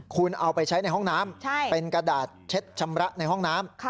คุณเอาไปใช้ในห้องน้ำเป็นกระดาษเช็ดชำระในห้องน้ำ